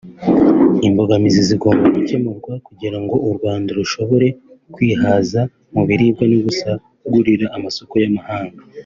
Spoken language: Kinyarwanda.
Imbogamizi zigomba gukemurwa kugira ngo u Rwanda rushobore kwihaza mu biribwa no gusagurira amasoko y’amahanga